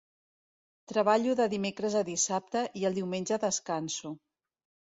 Treballo de dimecres a dissabte, i el diumenge descanso.